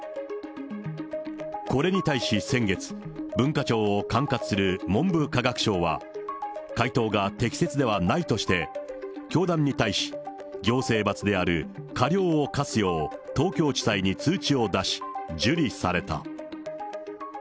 これに対し先月、文化庁を管轄する文部科学省は、回答が適切ではないとして、教団に対し行政罰である過料を科すよう東京地裁に通知を出し、受理された。